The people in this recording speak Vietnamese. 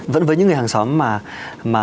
vẫn với những người hàng xóm mà